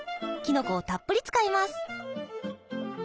きのこをたっぷり使います。